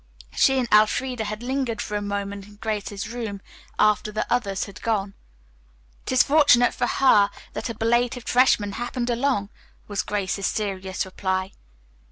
She and Elfreda had lingered for a moment in Grace's room after the others had gone. "It is fortunate for her that a belated freshman happened along," was Grace's serious reply.